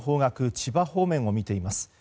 千葉方面を見ています。